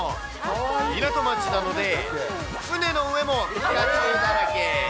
港町なので、船の上もピカチュウだらけ。